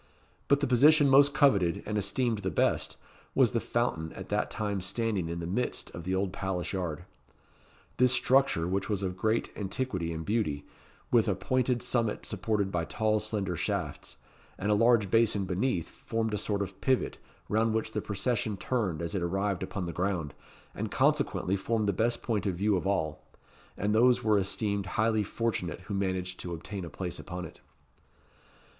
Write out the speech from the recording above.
But the position most coveted, and esteemed the best, was the fountain at that time standing in the midst of the old palace yard. This structure, which was of great antiquity and beauty, with a pointed summit supported by tall slender shafts, and a large basin beneath, formed a sort of pivot, round which the procession turned as it arrived upon the ground, and consequently formed the best point of view of all; and those were esteemed highly fortunate who managed to obtain a place upon it.